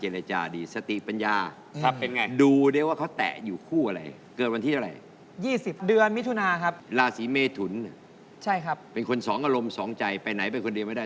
ลาสีเมฑุรุนทร์น่ะเป็นคนสองอารมณ์สองใจไปไหนเป็นคนเดียวไม่ได้